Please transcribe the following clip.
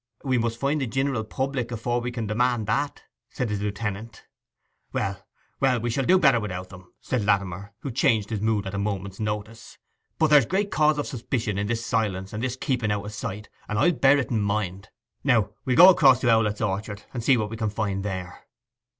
'We must find the jineral public afore we can demand that,' said his lieutenant. 'Well, well, we shall do better without 'em,' said Latimer, who changed his moods at a moment's notice. 'But there's great cause of suspicion in this silence and this keeping out of sight, and I'll bear it in mind. Now we will go across to Owlett's orchard, and see what we can find there.